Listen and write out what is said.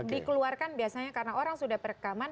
dikeluarkan biasanya karena orang sudah perekaman